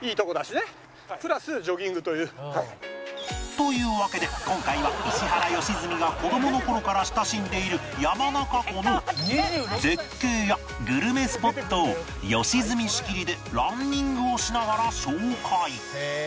というわけで今回は石原良純が子供の頃から親しんでいる山中湖の絶景やグルメスポットを良純仕切りでランニングをしながら紹介